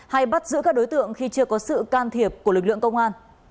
hay bắt giữ các đối tượng khi chưa có sự can thiệp của lực lượng công an